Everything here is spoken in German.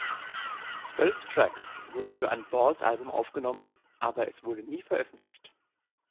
Zwölf Tracks wurden für ein Balls-Album aufgenommen, aber es wurde nie veröffentlicht.